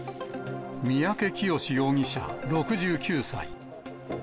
三宅潔容疑者６９歳。